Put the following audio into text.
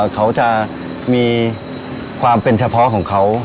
เขาจะมีความเป็นเฉพาะของเขา